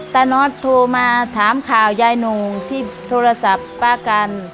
น็อตโทรมาถามข่าวยายหนูที่โทรศัพท์ป้ากัน